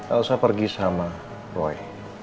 elsa pergi sama roy